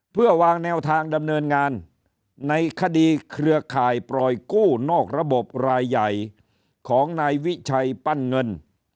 เพื่อวางแนวทางดำเนินงานในคดีเครือข่ายปล่อยกู้นอกระบบรายใหญ่ของนายวิชัยปั้นเงิน